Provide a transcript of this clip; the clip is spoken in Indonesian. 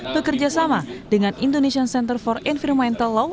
bekerjasama dengan indonesian center for environmental law